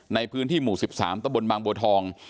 ในพื้นที่หมู่๑๓ตะบนบางบัวทอง